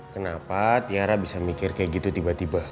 kenapa tiara bisa mikir kayak gitu tiba tiba